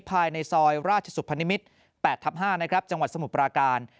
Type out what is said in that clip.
ภายในซอยราชสุพนิมิตร๘ทับ๕นะครับจังหวัดสมุทรปราการ